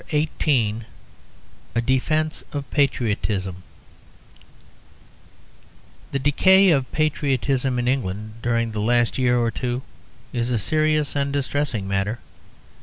A DEFENCE OF PATRIOTISM The decay of patriotism in England during the last year or two is a serious and distressing matter.